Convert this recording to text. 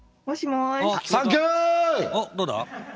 おっどうだ？